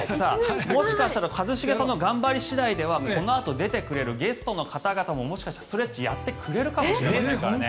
もしかしたら一茂さんの頑張り次第ではこのあと出てくれるゲストの方々ももしかしたらストレッチやってくれるかもしれませんからね。